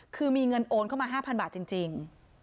คือมีเงินโอนเข้ามา๕๐๐บาทจริง